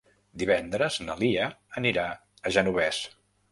Divendres na Lia anirà al Genovés.